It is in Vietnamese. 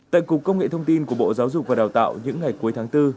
tại cục công nghệ thông tin của bộ giáo dục và đào tạo những ngày cuối tháng bốn